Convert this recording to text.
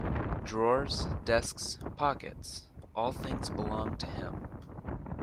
Drawers, desks, pockets, all things belonging to him.